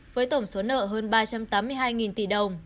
với tổng số nợ hơn ba trăm tám mươi hai tỷ đồng